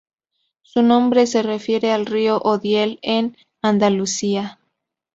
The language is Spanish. Su nombre se refiere al río Odiel, en Andalucía.